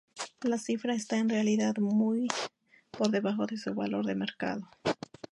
La cifra está en realidad muy por debajo de su valor de mercado.